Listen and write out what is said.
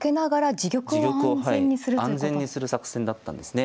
自玉をはい安全にする作戦だったんですね。